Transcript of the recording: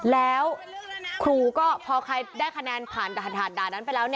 แล้วครูก็พอใครได้คะแนนผ่านด่านนั้นไปแล้ว